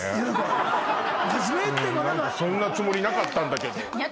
そんなつもりなかったんだけど。